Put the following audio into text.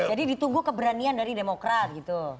jadi ditunggu keberanian dari demokrat gitu